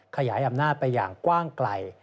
ขยายอำนาจไปอย่างกว้างไกล